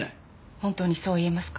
本当にそう言えますか？